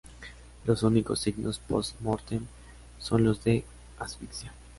Los únicos signos post-mortem son los de la asfixia.